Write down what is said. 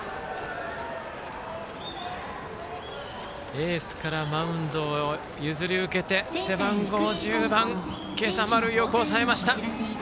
エースからマウンドを譲り受けて背番号１０番、今朝丸よく抑えました。